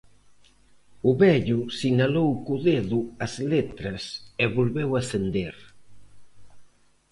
O vello sinalou co dedo as letras e volveu acender.